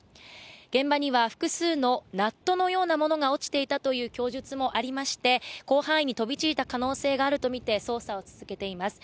現場には複数のナットのようなものが落ちていたという供述もありまして広範囲に飛び散った可能性もあるとみて捜査を進めています。